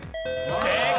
正解！